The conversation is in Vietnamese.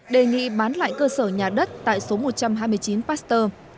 đề nghị bán lại cơ sở nhà đất tại số một trăm hai mươi chín pasteur